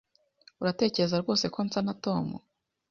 Uratekereza rwose ko nsa na Tom?